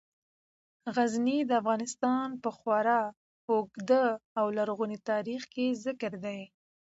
غزني د افغانستان په خورا اوږده او لرغوني تاریخ کې ذکر دی.